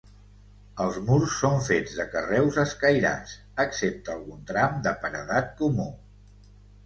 Els murs són fets de carreus escairats, excepte algun tram de paredat comú.